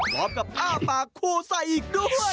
กับอ้าปากคู่ใส่อีกด้วย